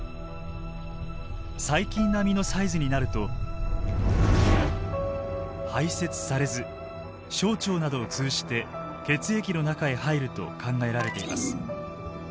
細菌並みのサイズになると排せつされず小腸などを通じて血液の中へ入ると考えられています。